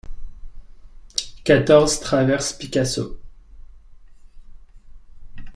quatorze traverse Picasso